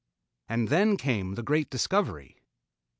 And then came the great discovery.